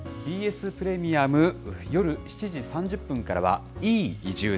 ＢＳプレミアム、夜７時３０分からは、いいいじゅー！！